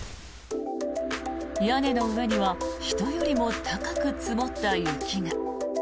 屋根の上には人よりも高く積もった雪が。